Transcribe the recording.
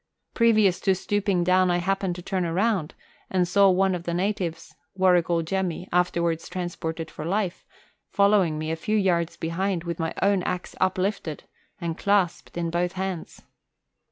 Previous to stooping down I happened to turn round, and saw one of the natives (Warrigal Jemmy, afterwards trans ported for life) following me a few yards behind, with my own axe uplifted and clasped in both hands.